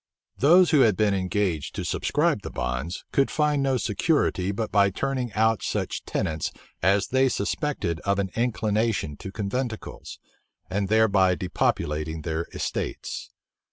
Those who had been engaged to subscribe the bonds, could find no security but by turning out such tenants as they suspected of an inclination to conventicles, and thereby depopulating their estates.